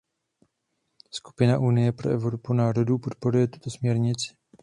Skupina Unie pro Evropu národů podporuje tuto směrnici.